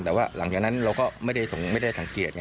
แต่ว่าหลังจากนั้นเราก็ไม่ได้สงสัยไม่ได้สังเกต